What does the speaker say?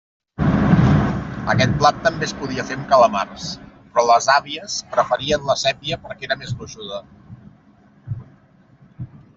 Aquest plat també es podia fer amb calamars, però les àvies preferien la sépia perquè era més gruixuda.